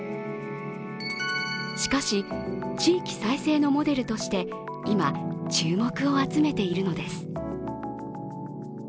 しかし、地域再生のモデルとして今、注目を集めているのです。